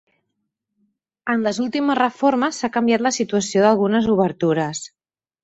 En les últimes reformes s'ha canviat la situació d'algunes obertures.